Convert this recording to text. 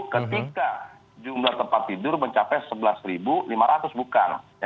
ketika jumlah tempat tidur mencapai sebelas lima ratus bukan